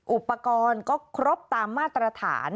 อุปกรณ์ก็ครบตามมาตรฐาน